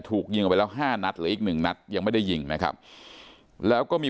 ถูกยิงไปแล้วห้านัดหรืออีกหนึ่งนัดยังไม่ได้ยิงนะครับแล้วก็มี